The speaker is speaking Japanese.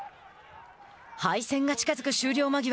敗戦が近づく終了間際。